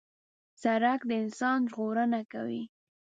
سړک د انسان ژغورنه کوي.